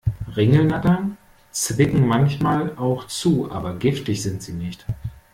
Ringelnattern zwicken manchmal auch zu, aber giftig sind sie nicht.